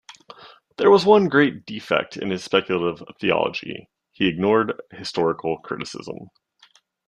There was one great defect in his speculative theology: he ignored historical criticism.